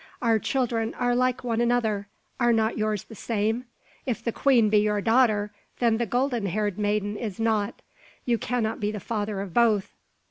Our children are like one another. Are not yours the same? If the queen be your daughter, then the golden haired maiden is not. You cannot be the father of both.